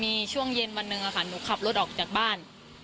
มีช่วงเย็นวันหนึ่งค่ะหนูขับรถออกจากบ้าน